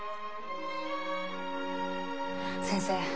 先生